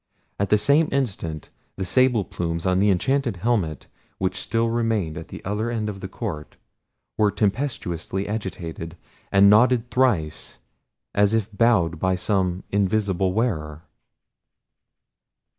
At the same instant the sable plumes on the enchanted helmet, which still remained at the other end of the court, were tempestuously agitated, and nodded thrice, as if bowed by some invisible wearer.